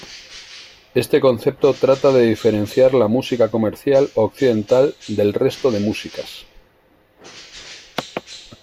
Este concepto trata de diferenciar la música comercial Occidental del resto de músicas.